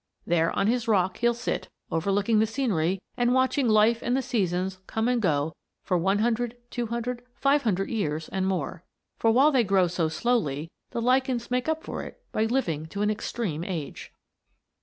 There on his rock he'll sit, overlooking the scenery and watching life and the seasons come and go for 100, 200, 500 years, and more. For while they grow so slowly the lichens make up for it by living to an extreme age.